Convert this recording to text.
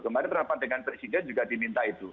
kemarin rapat dengan presiden juga diminta itu